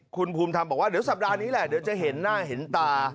คุณภูมิธรรมบอกว่าเดี๋ยวสัปดาห์นี้แหละเดี๋ยวจะเห็นหน้าเห็นตา